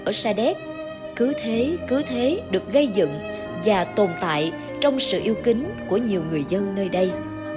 ở sa đéc cứ thế cứ thế được gây dựng và tồn tại trong sự yêu kính của nhiều người dân nơi đây